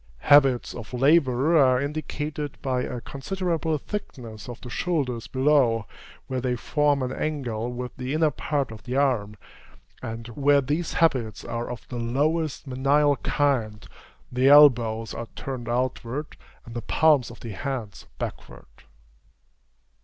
Habits of labor are indicated by a considerable thickness of the shoulders below, where they form an angle with the inner part of the arm; and, where these habits are of the lowest menial kind, the elbows are turned outward, and the palms of the hands backward.